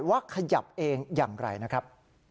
ว่าขยับเองอย่างไรนะครับ